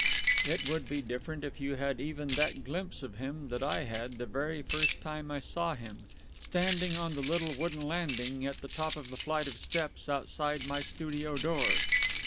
It would be different if you had had even that glimpse of him that I had the very first time I saw him, standing on the little wooden landing at the top of the flight of steps outside my studio door.